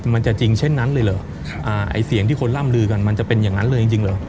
มันจะจริงเช่นนั้นเลยเหรอไอ้เสียงที่คนล่ำลือกันมันจะเป็นอย่างนั้นเลยจริงเหรอ